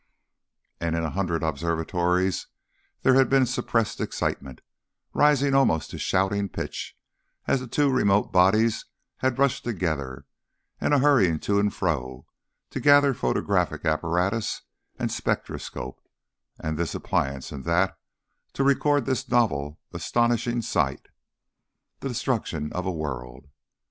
And in a hundred observatories there had been suppressed excitement, rising almost to shouting pitch, as the two remote bodies had rushed together, and a hurrying to and fro, to gather photographic apparatus and spectroscope, and this appliance and that, to record this novel astonishing sight, the destruction of a world.